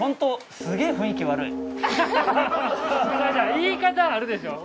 言い方あるでしょ。